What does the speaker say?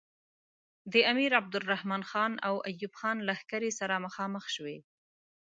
د امیر عبدالرحمن خان او ایوب خان لښکرې سره مخامخ شوې.